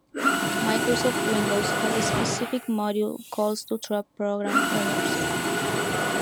Microsoft Windows has specific module calls to trap program errors.